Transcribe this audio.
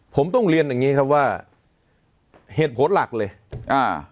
ผมต้องเรียนอย่างงี้ครับว่าเหตุผลหลักเลยอ่า